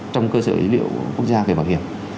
trong cơ sở dữ liệu quốc gia về bảo hiểm